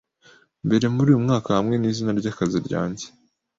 mbere muri uyu mwaka hamwe nizina ryakazi ryanjye